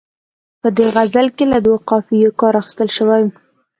په دې غزل کې له دوو قافیو کار اخیستل شوی.